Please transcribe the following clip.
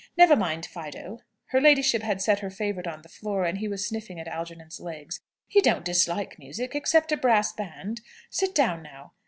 Never mind Fido." (Her ladyship had set her favourite on the floor, and he was sniffing at Algernon's legs.) "He don't dislike music, except a brass band. Sit down, now!"